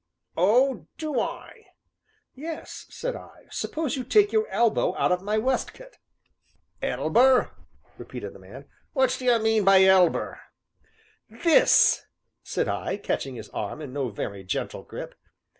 "Oh do I?" "Yes," said I; "suppose you take your elbow out of my waistcoat." "'Elber,'" repeated the man, "what d'ye mean by 'elber'?" "This," said I, catching his arm in no very gentle grip.